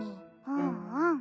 うんうん。